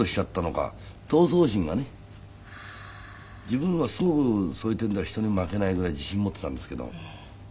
自分はすごくそういう点では人に負けないぐらい自信持っていたんですけど。